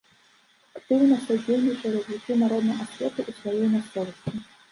Актыўна садзейнічаў развіццю народнай асветы ў сваёй мясцовасці.